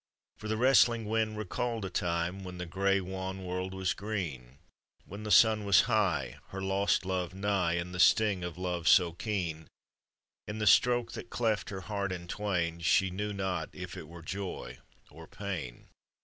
For the wrestling wind recalled a time When the grey wan world was green, When the sun was high, her lost love nigh, And the sting of love so keen In the stroke that cleft her heart in twain, She knew not if it were joy or pain.